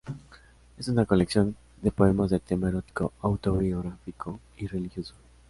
Es una colección de poemas de tema erótico, autobiográfico y religioso.